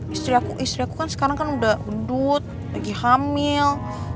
istri aku kan sekarang kan udah dud lagi hamil